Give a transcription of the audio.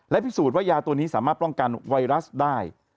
พิสูจน์ว่ายาตัวนี้สามารถป้องกันไวรัสได้